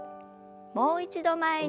もう一度前に。